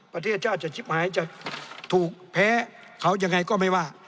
ประเทศชาติจะชิบหายจะถูกแพ้เขายังไงก็ไม่ว่า